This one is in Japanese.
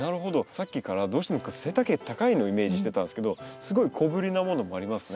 さっきからどうしても背丈高いのをイメージしてたんですけどすごい小ぶりなものもありますね。